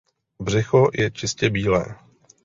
Břicho je čistě bílé.